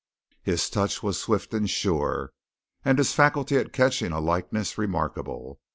His touch was swift and sure, and his faculty at catching a likeness remarkable.